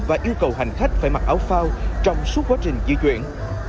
và yêu cầu hành khách phải mặc áo phao trong suốt quá trình di chuyển